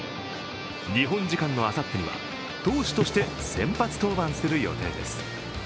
日本時間のあさってには、投手として先発登板する予定です。